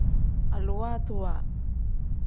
Aluwaatiwa.